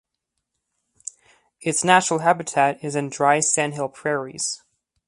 Its natural habitat is in dry sandhill prairies.